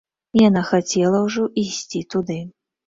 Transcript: Яна хацела ўжо ісці туды.